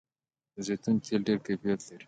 د زیتون تېل ډیر کیفیت لري.